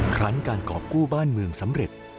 ครั้งการกรอบกู้บ้านเมืองสำเร็จ